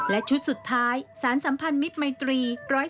และชุดสุดท้ายสารสัมพันธ์มิดไหมตรี